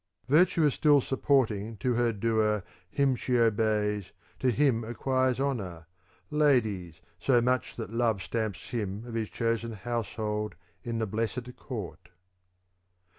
Virtue is still supporting to her doer, him she obeys, to him acquires honour, ladies, so much that love stamps him of his chosen household in the blessed court.